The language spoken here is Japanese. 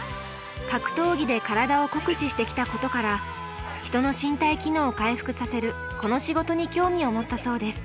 格闘技で体を酷使してきたことから人の身体機能を回復させるこの仕事に興味を持ったそうです。